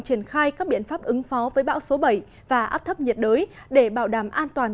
triển khai các biện pháp ứng phó với bão số bảy và áp thấp nhiệt đới để bảo đảm an toàn